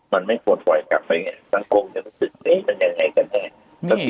มันไม่ควรปล่อยกลับไปไงทั้งคนก็คงคิดว่าว่ามันยังไงกันเนี้ย